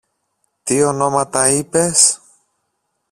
Τι ονόματα είπες;